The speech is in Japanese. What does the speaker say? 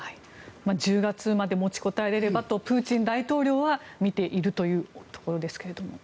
１０月まで持ちこたえられればとプーチン大統領は見ているというところですが。